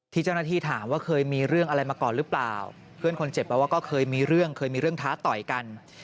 ที่เจ้าหน้าที่ถามว่าเคยมีเรื่องอะไรมาก่อนหรือเปล่าเพื่อนคนเจ็บบอกว่าก็เคยมีเรื่องเคยมีเรื่องท้าต่อยกัน